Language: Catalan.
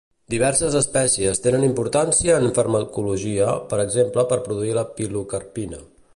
Diverses espècies tenen importància en farmacologia, per exemple per produir la pilocarpina.